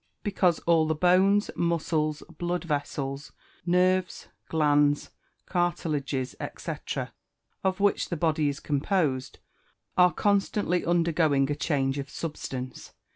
_ Because all the bones, muscles, blood vessels, nerves, glands, cartilages, &c., of which the body is composed, are constantly undergoing a change of substance.